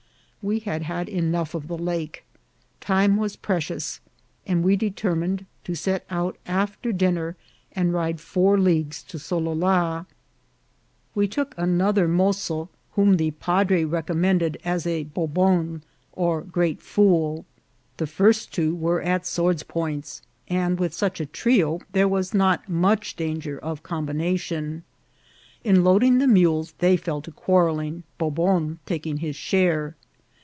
We had had enough of the lake ; time was precious, and we determined to set out after dinner and ride four leagues to Solola. We took another mozo, whom the padre recommended as a bobon, or great fool. The first two were at swords' points, and with such a trio there was not much danger of combination. In loading the mules they fell to quarrelling, Bobon taking his share.